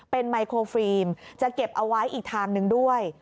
เป็นไมโครฟิล์มจะเก็บเอาไว้อีกทางหนึ่งด้วย